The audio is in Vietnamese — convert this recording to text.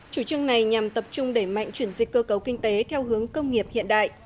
chủ trương này nhằm tập trung đẩy mạnh chuyển dịch cơ cấu kinh tế theo hướng công nghiệp hiện đại